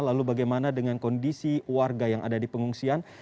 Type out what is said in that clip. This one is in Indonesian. lalu bagaimana dengan kondisi warga yang ada di pengungsian